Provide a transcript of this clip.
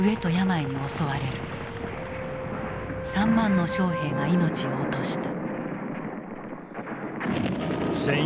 ３万の将兵が命を落とした。